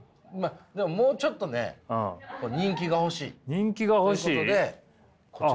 でももうちょっとね人気が欲しい。ということでこちらの方に。